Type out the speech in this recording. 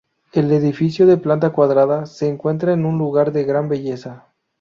El edificio, de planta cuadrada, se encuentra en un lugar de gran belleza.